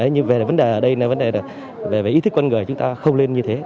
nhưng về vấn đề ở đây là vấn đề về ý thức con người chúng ta không lên như thế